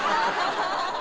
「ハハハハ！」